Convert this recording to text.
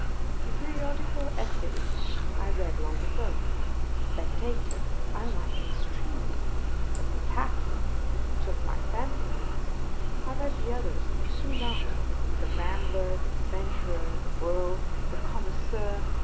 The Periodical Essayists I read long ago. The Spectator I liked extremely : but the Taller took my fancy most. I read the others soon after, the Hainbler, the Adventurer, the World, the Connoisseur : 318 On Eeading Old Books.